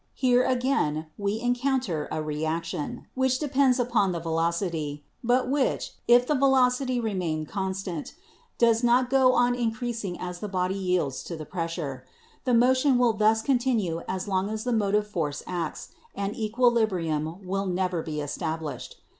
Here again we encounter a re 146 ELECTRICITY action, which depends upon the velocity, but which, if the velocity remain constant, does not go on increasing as the body yields to the pressure. The motion will thus continue as long as the motive force acts, and equilibrium will never be established.